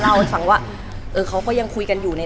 เหมือนนางก็เริ่มรู้แล้วเหมือนนางก็เริ่มรู้แล้ว